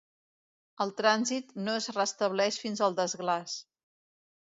El trànsit no es restableix fins al desglaç.